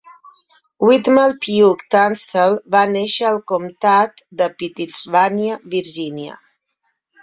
Whitmell Pugh Tunstall va néixer al comtat de Pittsylvania, Virginia.